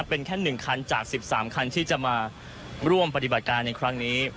เป็นแค่๑คันจาก๑๓คันที่จะมาร่วมปฏิบัติการในครั้งนี้